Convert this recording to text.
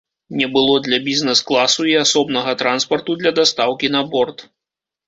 Не было для бізнес-класу і асобнага транспарту для дастаўкі на борт.